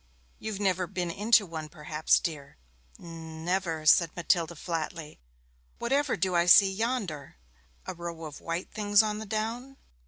'You've never been into one perhaps, dear?' 'N never,' said Matilda flatly. 'Whatever do I see yonder a row of white things on the down?'